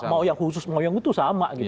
mau yang khusus mau yang utuh sama